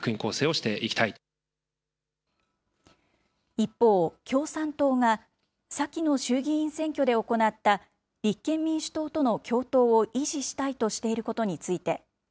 一方、共産党が先の衆議院選挙で行った立憲民主党との共闘を維持したいとしていることについて。